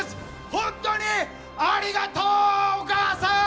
本当にありがとう、お母さん！